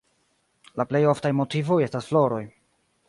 La plej oftaj motivoj esta floroj.